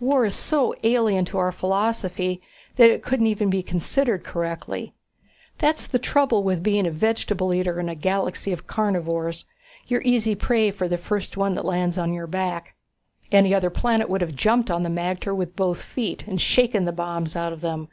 War is so alien to our philosophy that it couldn't even be considered correctly. That's the trouble with being a vegetable eater in a galaxy of carnivores. You're easy prey for the first one that lands on your back. Any other planet would have jumped on the magter with both feet and shaken the bombs out of them.